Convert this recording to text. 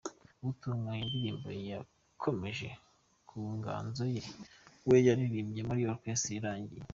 Utuganya indirimbo yakomoje ku inganzo se we waririmbye muri Orikeresitere Irangira